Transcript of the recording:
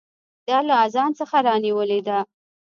دا له اذان څخه رانیولې ده.